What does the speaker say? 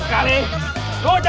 udah udah udah